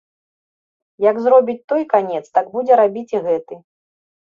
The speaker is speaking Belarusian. Як зробіць той канец, так будзе рабіць і гэты.